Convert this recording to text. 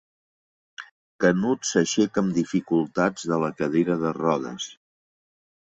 Canut s'aixeca amb dificultats de la cadira de rodes.